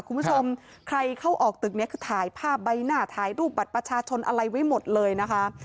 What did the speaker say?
คุณผู้ชมใครเข้าออกตึกนี้คือถ่ายภาพใบหน้าถ่ายรูปบัตรประชาชนอะไรไว้หมดเลยนะคะ